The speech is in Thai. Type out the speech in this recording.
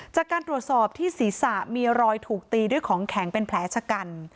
จากการตรวจสอบที่ศีรษะมีรอยถูกตีด้วยของแข็งเป็นแผลชะกัน